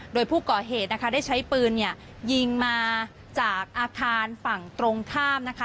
โดยผู้ก่อเหตุนะคะได้ใช้ปืนยิงมาจากอาคารฝั่งตรงข้ามนะคะ